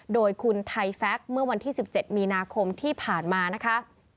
โดยคุณไทยแฟคเมื่อวันที่๑๗มีนาคมที่ผ่านมานะคะ